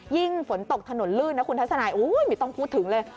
ฝนตกถนนลื่นนะคุณทัศนายไม่ต้องพูดถึงเลย